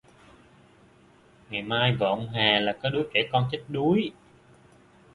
Ngày mai vợ ông Hà là có đứa trẻ con chết đuối